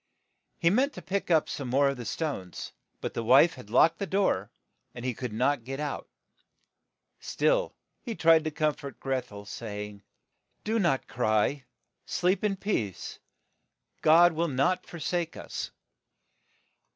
,^ He meant to pick up some more of the small stones ; but the wife had locked the door, and he could not get PH; out. Still he tried to corn fort Greth el, say ing, Do not cry ; sleep in peace ; God will not for sake us."